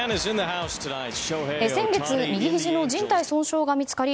先月右ひじのじん帯損傷が見つかり